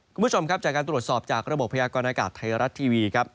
คุณผู้ชมครับจากการตรวจสอบจากระบบพยากรณากาศไทยรัฐทีวีครับ